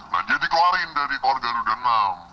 nah dia dikeluarin dari keluarga keluarga enam